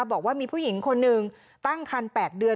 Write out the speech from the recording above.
บอกว่ามีผู้หญิงคนหนึ่งตั้งคัน๘เดือน